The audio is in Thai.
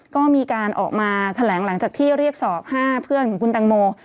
ก็มีการออกมาแถลงหลังจากที่เรียกสอบ๕เพื่อนของคุณตังโม